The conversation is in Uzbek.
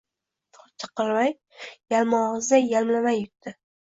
tortiq qilmay, yalmogʼizday yamlamay yutdi.